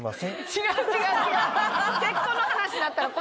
違う違う違う。